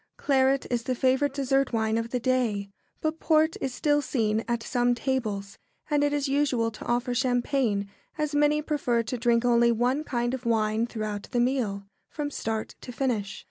] Claret is the favourite dessert wine of the day, but port is still seen at some tables, and it is usual to offer champagne, as many prefer to drink only one kind of wine throughout the meal, from start to finish.